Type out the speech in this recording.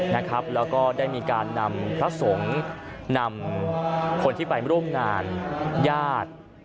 แล้วก็ได้มีการนำพระสงฆ์นำคนที่ไปร่วมงานญาติ